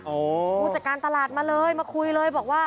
ผู้จัดการตลาดมาเลยมาคุยเลยบอกว่า